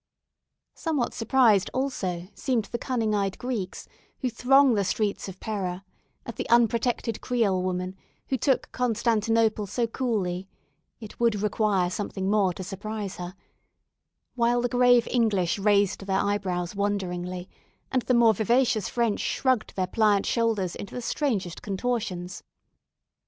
Somewhat surprised, also, seemed the cunning eyed Greeks, who throng the streets of Pera, at the unprotected Creole woman, who took Constantinople so coolly (it would require something more to surprise her); while the grave English raised their eyebrows wonderingly, and the more vivacious French shrugged their pliant shoulders into the strangest contortions.